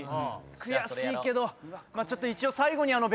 悔しいけどちょっと一応。